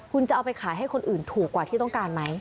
คุณจะเอาไปขายให้คนอื่นถูกกว่าที่ต้องการไหม